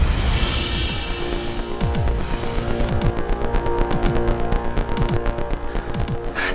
ya mama sebut nama jessica